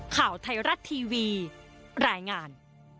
ข่าวไทยรัฐทีวีรายงาน